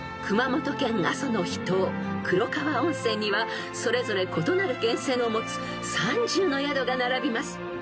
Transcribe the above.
［熊本県阿蘇の秘湯黒川温泉にはそれぞれ異なる源泉を持つ３０の宿が並びます］